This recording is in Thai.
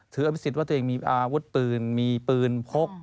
อภิษฎว่าตัวเองมีอาวุธปืนมีปืนพก